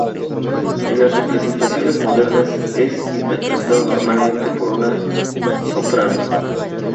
En las representaciones modernas, es interpretado normalmente por una soprano.